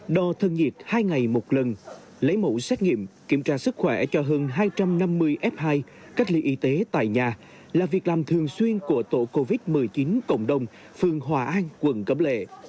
đo thân nhiệt hai ngày một lần lấy mẫu xét nghiệm kiểm tra sức khỏe cho hơn hai trăm năm mươi f hai cách ly y tế tại nhà là việc làm thường xuyên của tổ covid một mươi chín cộng đồng phường hòa an quận cấm lệ